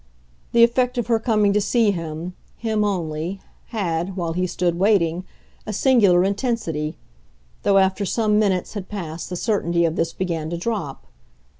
The effect of her coming to see him, him only, had, while he stood waiting, a singular intensity though after some minutes had passed the certainty of this began to drop.